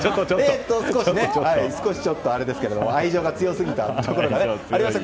少しちょっとあれですけど愛情が強すぎたところがありました。